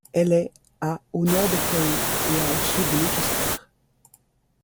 Elle est à au Nord de Crewe et à au Sud de Manchester.